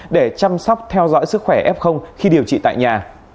để chăm sóc theo dõi sức khỏe f khi điều trị tại nhà